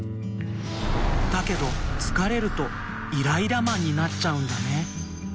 だけどつかれるとイライラマンになっちゃうんだね。